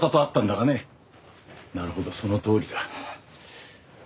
なるほどそのとおりだ。